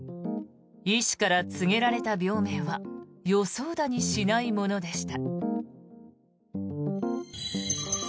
医師から告げられた病名は予想だにしないものでした。